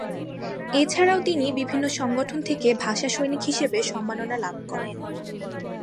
এ ছাড়াও তিনি বিভিন্ন সংগঠন থেকে ভাষা সৈনিক হিসেবে সম্মাননা লাভ করেন।